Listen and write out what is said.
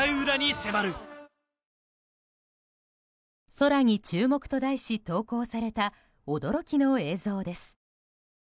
空に注目と題し投稿された驚きの映像です。